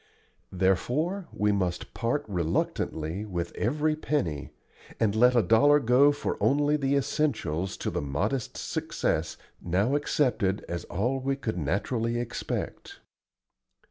Therefore we must part reluctantly with every penny, and let a dollar go for only the essentials to the modest success now accepted as all we could naturally expect.